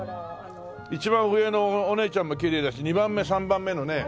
一番上のお姉ちゃんもきれいだし２番目３番目のね